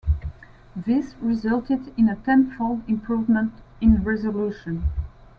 This resulted in a tenfold improvement in resolution.